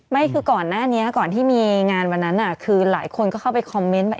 ไม่คือก่อนหน้านี้ก่อนที่มีงานวันนั้นคือหลายคนก็เข้าไปคอมเมนต์ว่า